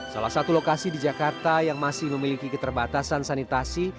salah satu lokasi di jakarta yang masih memiliki keterbatasan sanitasi